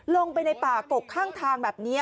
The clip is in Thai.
ลงไปในป่ากกข้างทางแบบนี้